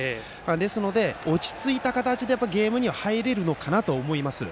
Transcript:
ですので、落ち着いた形でゲームには入れるのかなと思います。